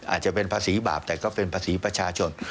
อาจจะเป็นภาษีบาปแต่ก็เป็นภาษีประชาชน